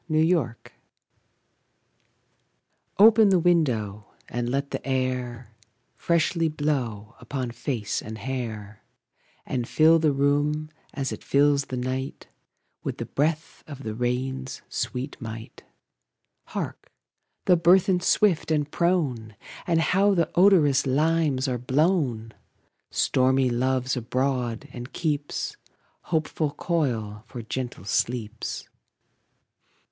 Nelson] OPEN the window, and let the air Freshly blow upon face and hair, And fill the room, as it fills the night, With the breath of the rain's sweet might. Hark! the burthen, swift and prone! And how the odorous limes are blown! Stormy Love's abroad, and keeps Hopeful coil for gentle sleeps.